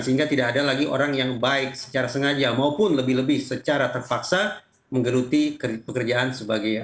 sehingga tidak ada lagi orang yang baik secara sengaja maupun lebih lebih secara terpaksa menggeruti pekerjaan sebagai